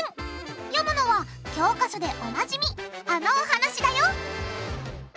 読むのは教科書でおなじみあのお話だよ！